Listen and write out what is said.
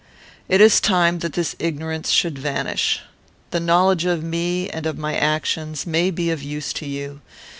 It is time that this ignorance should vanish. The knowledge of me and of my actions may be of use to you.